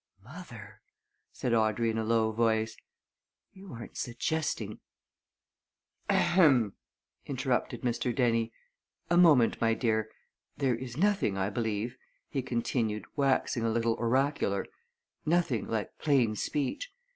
"Mother!" said Audrey in a low voice. "You aren't suggesting " "Ahem!" interrupted Mr. Dennie. "A moment, my dear. There is nothing, I believe," he continued, waxing a little oracular, "nothing like plain speech.